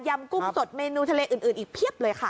กุ้งสดเมนูทะเลอื่นอีกเพียบเลยค่ะ